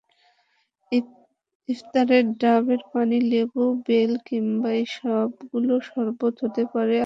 ইফতারে ডাবের পানি, লেবু, বেল কিংবা ইসবগুলের শরবত হতে পারে আদর্শ।